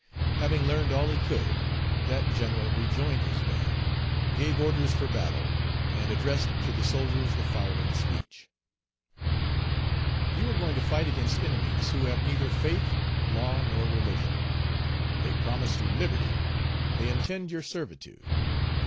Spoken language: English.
Having learned all he could, that general rejoined his band, gave orders for battle, and addressed to the soldiers the following speech: "You are going to fight against enemies who have neither faith, law, nor religion. They promise you liberty, they intend your servitude.